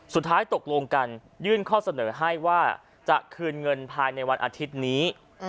สุดท้ายตกลงกันยื่นข้อเสนอให้ว่าจะคืนเงินภายในวันอาทิตย์นี้